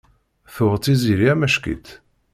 Tuɣ Tiziri amack-itt.